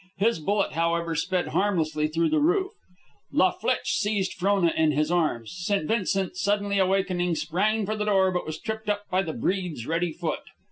His bullet, however, sped harmlessly through the roof. La Flitche seized Frona in his arms. St. Vincent, suddenly awakening, sprang for the door, but was tripped up by the breed's ready foot.